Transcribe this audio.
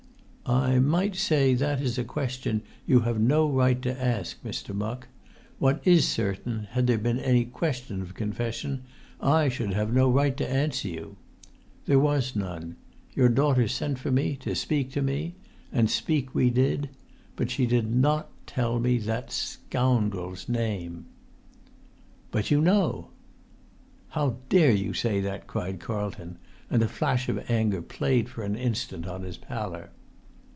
"I might say that is a question you have no right to ask, Mr. Musk; what is certain, had there been any question of confession, I should have no right to answer you. There was none. Your daughter sent for me, to speak to me; and speak we did; but she did not tell me that—scoundrel's—name." "But you know!" "How dare you say that?" cried Carlton; and a flash of anger played for an instant on his pallor.